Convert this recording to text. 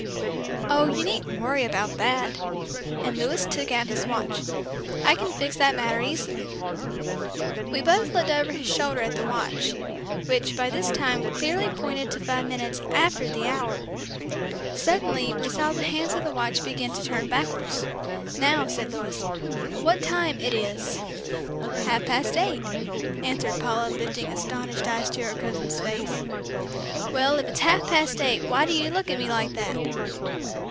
"Oh, you needn't worry about that," and Louis took out his watch. "I can fix that matter easily." We both looked over his shoulder at the watch, which by this time clearly pointed to five minutes after the hour. Suddenly, we saw the hands of the watch begin to turn backwards. "Now," said Louis, "what time it is?" "Half past eight," answered Paula, lifting astonished eyes to her cousin's face. "Well, if it's half past eight why do you look at me like that?"